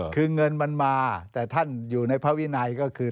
คือเงินมันมาแต่ท่านอยู่ในพระวินัยก็คือ